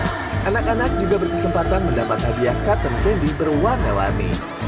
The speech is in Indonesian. dan terheboh anak anak juga berkesempatan mendapat hadiah cotton candy berwarna warni